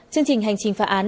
chương trình hành trình phá án